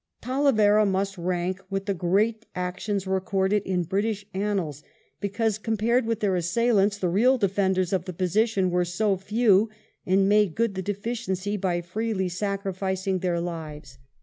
Talarera mnst rank with the great actions recorded in British annals, because, compared with their assailants, the real defenders of the position were so few, and made good the deficiency by freely sacrificing their lives.